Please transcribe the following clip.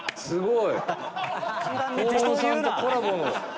すごい。